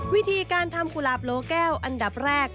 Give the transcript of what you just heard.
วิธีการทำกุหลาบโลแก้วอันดับแรก